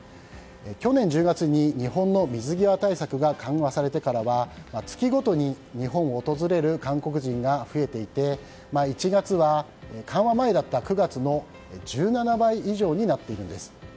去年１０月に日本の水際対策が緩和されてからは月ごとに日本を訪れる韓国人が増えていて１月は、緩和前だった９月の１７倍以上になっているんです。